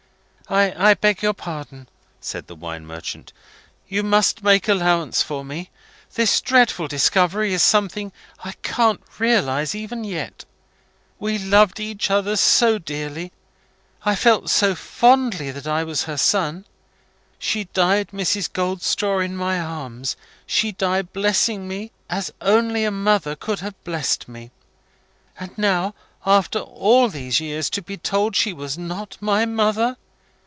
"I beg your pardon," said the wine merchant. "You must make allowance for me. This dreadful discovery is something I can't realise even yet. We loved each other so dearly I felt so fondly that I was her son. She died, Mrs. Goldstraw, in my arms she died blessing me as only a mother could have blessed me. And now, after all these years, to be told she was not my mother!